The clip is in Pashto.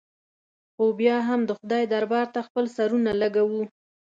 خو بیا هم د خدای دربار ته خپل سرونه لږوو.